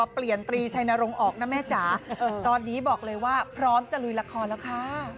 ตรีชัยนรงค์ออกนะแม่จ๋าตอนนี้บอกเลยว่าพร้อมจะลุยละครแล้วค่ะ